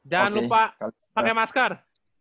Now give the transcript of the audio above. jangan lupa pake masker